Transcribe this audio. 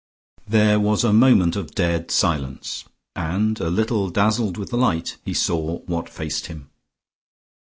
There was a moment of dead silence, and a little dazzled with the light he saw what faced him.